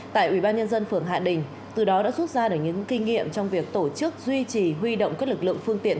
tại ubnd phường hạ đình từ đó đã xuất ra những kinh nghiệm trong việc tổ chức duy trì huy động các lực lượng phương tiện